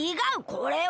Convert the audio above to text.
これは。